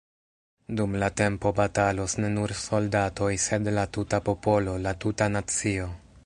Dum la tempo batalos ne nur soldatoj, sed la tuta popolo, la tuta nacio.